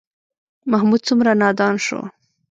محمود څومره نادان شو.